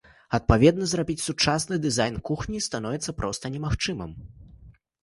Адпаведна, зрабіць сучасны дызайн кухні становіцца проста немагчымым.